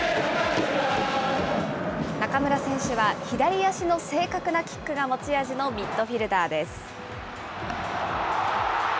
中村選手は左足の正確なキックが持ち味のミッドフィールダーです。